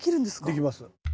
できます。